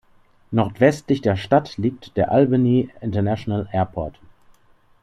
Nordwestlich der Stadt liegt der Albany International Airport.